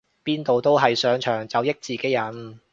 邊度都係上場就益自己人